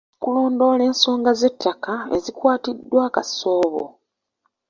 Okulondoola ensonga z'ettaka ezikwatiddwa akasoobo.